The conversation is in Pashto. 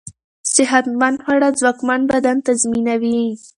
صحتمند خواړه ځواکمن بدن تضمينوي.